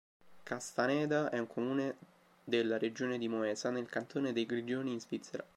Castaneda è un comune della regione di Moesa, nel cantone dei Grigioni in Svizzera.